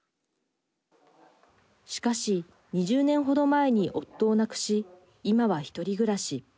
しかし、２０年ほど前に夫を亡くし、今はひとり暮らし。